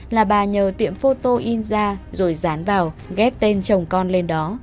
là bà nhờ tiệm phôto in ra rồi dán vào ghép tên chồng con lên đó